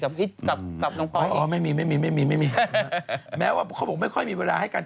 กับฮิตกับน้องพอร์อ๋อไม่มีแม้ว่าเขาบอกไม่ค่อยมีเวลาให้กัน